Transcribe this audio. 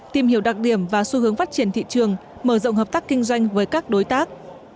tìm hiểu đặc điểm và xu hướng phát triển thị trường mở rộng hợp tác kinh doanh với các đối tác